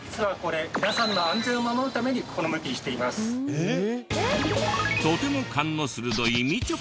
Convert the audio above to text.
えっ！？